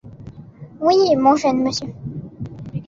Oui, mon jeune monsieur…